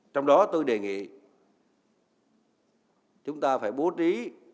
trong đó tôi đề nghị chúng ta phải bố trí